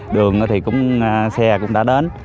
đường thì xe cũng đã đến